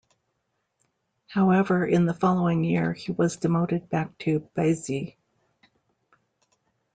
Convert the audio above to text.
However, in the following year, he was demoted back to "beizi".